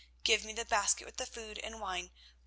Give me the basket with the food and wine.